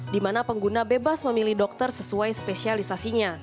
dimana pengguna bebas memilih dokter sesuai spesialisasinya